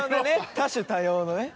多種多様のね。